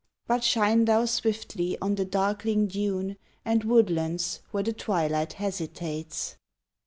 But shine thou swiftly on the darkling dune And woodlands where the twilight hesitates.